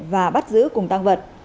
và bắt giữ cùng tăng vật